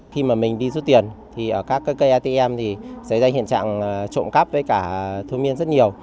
khi mà mình đi rút tiền thì ở các cây atm thì xảy ra hiện trạng trộm cắp với cả thương niên rất nhiều